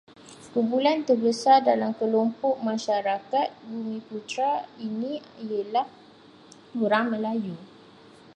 Kumpulan terbesar dalam kelompok masyarakat bumiputera ini ialah orang Melayu.